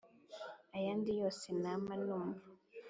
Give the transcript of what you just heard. ayandi yose nama numva